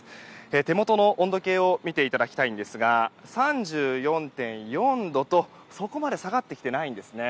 手元の温度計を見ていただきたいんですが３４．４度とそこまで下がってきてないんですね。